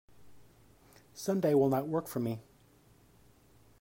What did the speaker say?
Sunday will not work for me.